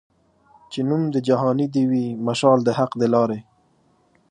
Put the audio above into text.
چي نوم د جهاني دي وي مشال د حق د لاري